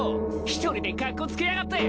一人でカッコつけやがって！